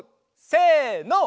せの！